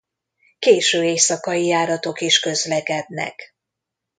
Késő éjszakai járatok is közlekednek.